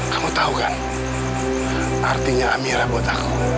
kamu tahu kan artinya amira buat aku